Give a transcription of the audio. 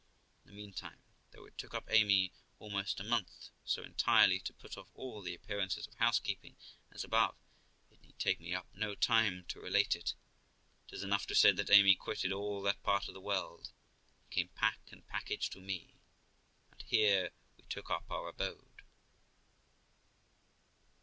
In the meantime, though it took up Amy almost a month so entirely to put off all the appearances of housekeeping, as above, it need take me up no time to relate it; 'tis enough to say that Amy quitted all that part of the world and came pack and package to me, and here we took up our abode.